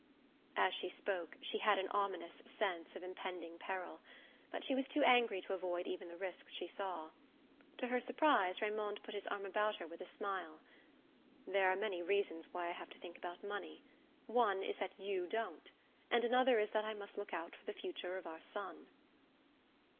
As she spoke she had an ominous sense of impending peril; but she was too angry to avoid even the risks she saw. To her surprise Raymond put his arm about her with a smile. "There are many reasons why I have to think about money. One is that YOU don't; and another is that I must look out for the future of our son."